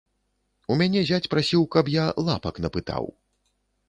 У мяне зяць прасіў, каб я лапак напытаў.